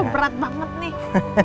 berat banget nih